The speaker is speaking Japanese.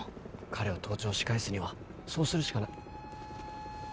彼を盗聴し返すにはそうするしかな。